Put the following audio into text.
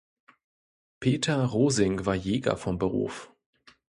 Peter Rosing war Jäger von Beruf.